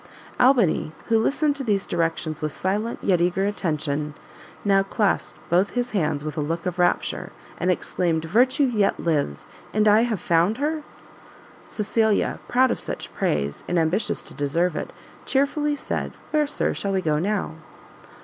Albany, who listened to these directions with silent, yet eager attention, now clasped both his hands with a look of rapture, and exclaimed "Virtue yet lives, and I have found her?" Cecilia, proud of such praise, and ambitious to deserve it, chearfully said, "where, Sir, shall we go now?"